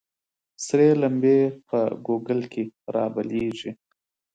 ســـــــرې لمـبـــــې په ګوګـل کــې رابلـيـــږي